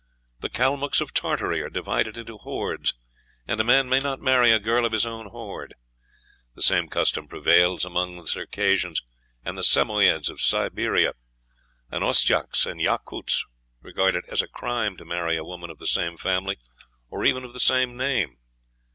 The Calmucks of Tartary are divided into hordes, and a man may not marry a girl of his own horde. The same custom prevails among the Circassians and the Samoyeds of Siberia. The Ostyaks and Yakuts regard it as a crime to marry a woman of the same family, or even of the same name."